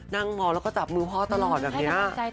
นั่งมองแล้วก็จับมือพ่อตลอดแบบนี้